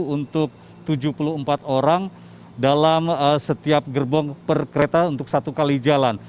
untuk tujuh puluh empat orang dalam setiap gerbong per kereta untuk satu kali jalan